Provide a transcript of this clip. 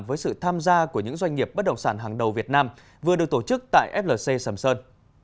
với sự tham gia của những doanh nghiệp bất động sản hàng đầu việt nam vừa được tổ chức tại flc sầm sơn